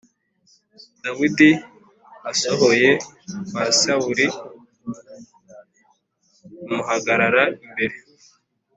Dawidi asohoye kwa Sawuli amuhagarara imbere.